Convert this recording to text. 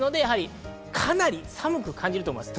かなり寒く感じると思います。